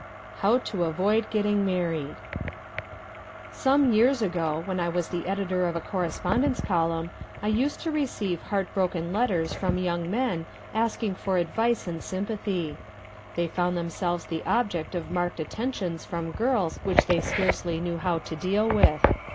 How to Avoid Getting Married Some years ago, when I was the Editor of a Correspondence Column, I used to receive heart broken letters from young men asking for advice and sympathy. They found themselves the object of marked attentions from girls which they scarcely knew how to deal with.